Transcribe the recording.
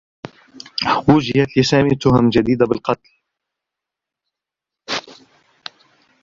وُجّهت لسامي تهم جديدة بالقتل.